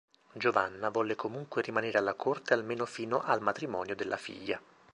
Giovanna volle comunque rimanere alla corte almeno fino al matrimonio della figlia.